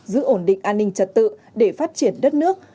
giữ ổn định an ninh trật tự để phát triển đất nước